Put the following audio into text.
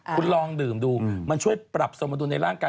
คุณลองดื่มดูมันช่วยปรับสมดุลในร่างกาย